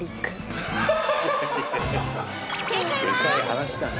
正解は？